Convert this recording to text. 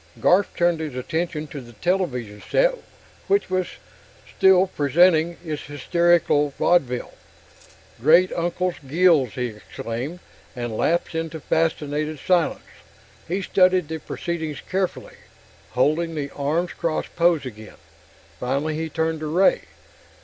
Garf turned his attention to the television set, which was still presenting its hysterical vaudeville. "Great uncle's gills!" he exclaimed, and lapsed into a fascinated silence. He studied the proceedings carefully, holding the arms crossed pose again. Finally he turned to Ray.